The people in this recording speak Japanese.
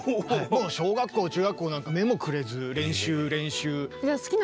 もう小学校中学校なんか目もくれず練習練習。